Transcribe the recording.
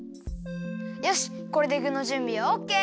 よしこれでぐのじゅんびはオッケー！